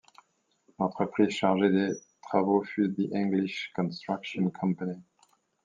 L'entreprise chargée des travaux fut The English Construction Co.